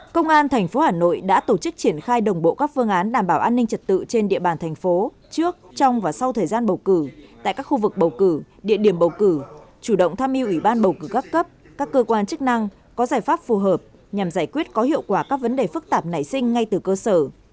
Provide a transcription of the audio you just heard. công an tp hà nội đã tổ chức triển khai đồng bộ các phương án đảm bảo an ninh trật tự trên địa bàn thành phố trước trong và sau thời gian bầu cử tại các khu vực bầu cử địa điểm bầu cử chủ động tham mưu ủy ban bầu cử các cấp các cơ quan chức năng có giải pháp phù hợp nhằm giải quyết có hiệu quả các vấn đề phức tạp nảy sinh ngay từ cơ sở